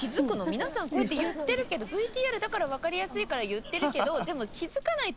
皆さんこうやって言ってるけどＶＴＲだからわかりやすいから言ってるけどでも。